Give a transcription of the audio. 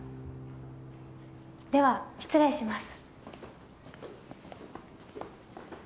では失礼します。